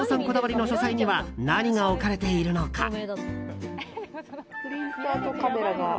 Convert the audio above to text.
こだわりの書斎には何が置かれているのか。